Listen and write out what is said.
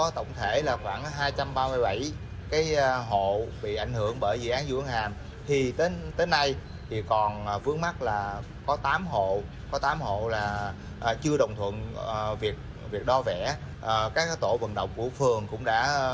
tổng thể dự án mở rộng đường dương quảng hàm